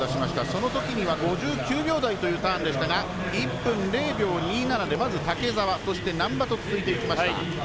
そのときには５９秒台というタイムでしたが１分０秒２７で竹澤、難波と続いていきました。